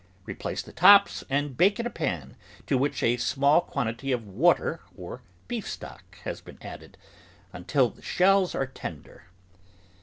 Replace the tops and bake in a pan to which a small quantity of water or beef stock has been added until the shells are tender.